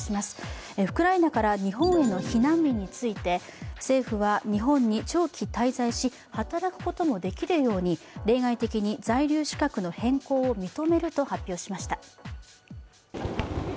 ウクライナから日本への避難民について、政府は日本に長期滞在し、働くこともできるように例外的に在留資格の変更を認めると発表しました。